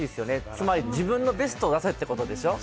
つまり、自分のベストを出せということでしょ？